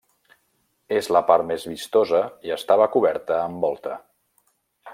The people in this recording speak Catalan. És la part més vistosa i estava coberta amb volta.